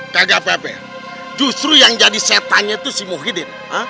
gak apa apa ya justru yang jadi setannya tuh si muhyiddin